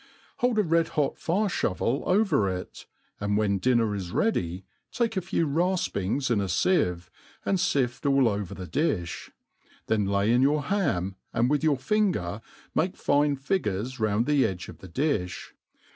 Hold a red hot fire fhovel over it, and when din ner is ready take a few rafpings in a fieve and fift all over the aOoL', then lay in your ham, and with your finger make fine figures round the edge of the difh.